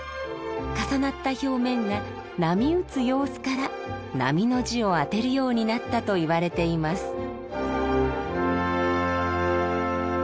重なった表面が波打つ様子から「波」の字を当てるようになったといわれています。